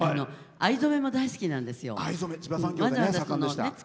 藍染めも大好きなんです。